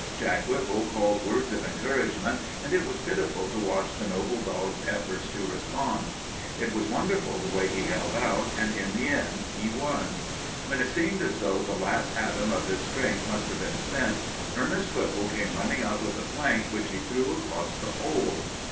Jack Whipple called words of encouragement, and it was pitiful to watch the noble dog's efforts to respond. It was wonderful the way he held out, and in the end he won. When it seemed as though the last atom of his strength must have been spent, Ernest Whipple came running up with a plank which he threw across the hole.